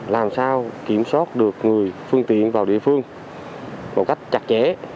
làm sao kiểm soát được người phương tiện vào địa phương một cách chặt chẽ